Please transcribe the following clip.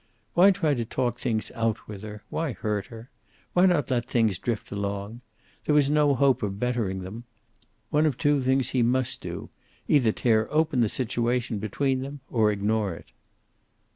Why try to talk things out with her? Why hurt her? Why not let things drift along? There was no hope of bettering them. One of two things he must do, either tear open the situation between them, or ignore it.